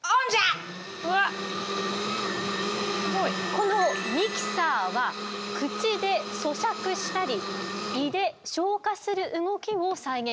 このミキサーは口でそしゃくしたり胃で消化する動きを再現しております。